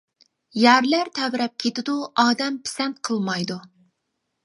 يەرلەر تەۋرەپ كېتىدۇ ئادەم پىسەنت قىلمايدۇ.